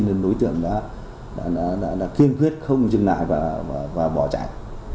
nên đối tượng đã kiên quyết không dừng lại và bỏ chạy